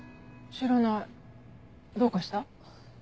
知らないどうかした？